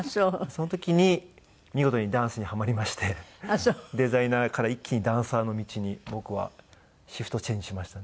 その時に見事にダンスにハマりましてデザイナーから一気にダンサーの道に僕はシフトチェンジしましたね。